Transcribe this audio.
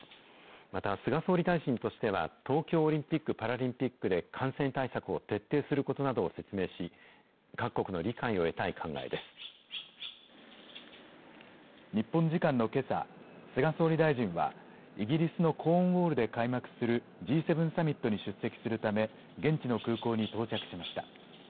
また、菅総理大臣としては、東京オリンピック・パラリンピックで感染対策を徹底することなどを説明し、各国の理解を得たい考えで日本時間のけさ、菅総理大臣は、イギリスのコーンウォールで開幕するＧ７サミットに出席するため、現地の空港に到着しました。